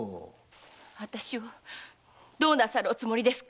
私をどうなさるおつもりですか。